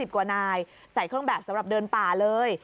กว่านายใส่เครื่องแบบสำหรับเดินป่าเลย